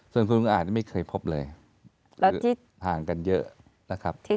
ส่วนคุณลุงอาจจะไม่เคยพบเลยแล้วห่างกันเยอะนะครับ